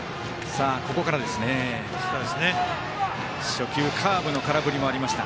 初球カーブの空振りもありました。